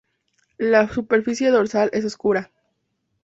La superficie dorsal es oscura.